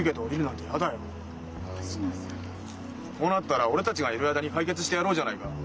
こうなったら俺たちがいる間に解決してやろうじゃないか。